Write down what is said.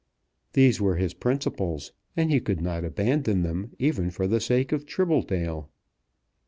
These were his principles, and he could not abandon them even for the sake of Tribbledale.